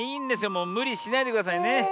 もうむりしないでくださいね。